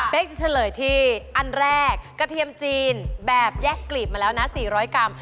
เป็นจะเฉลยที่อันแรกกระเทียมจีนแบบแยกกลีบมาแล้วนะ๔๐๐กรัม